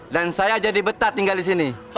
dan saya jadi betah tinggal di sini